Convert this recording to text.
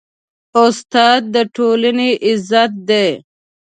استاد د ټولنې عزت دی.